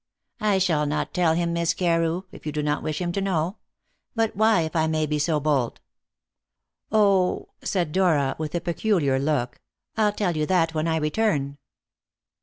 "I shall not tell him, Miss Carew, if you do not wish him to know. But why, if I may be so bold?" "Oh," said Dora, with a peculiar look, "I'll tell you that when I return."